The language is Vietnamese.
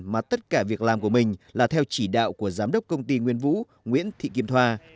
mà tất cả việc làm của mình là theo chỉ đạo của giám đốc công ty nguyên vũ nguyễn thị kim thoa